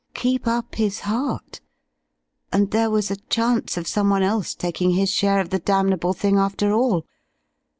Keep up his heart!... And there was a chance of someone else taking his share of the damnable thing, after all!...